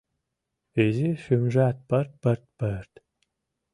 Изи шӱмжат - пырт-пырт-пырт